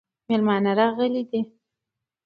مېلمانه راغلي دي